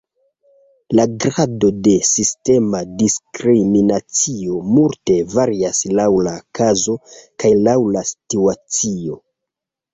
La grado de sistema diskriminacio multe varias laŭ la kazo kaj laŭ la situacio.